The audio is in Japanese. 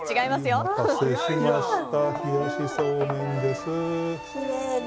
はいお待たせしました。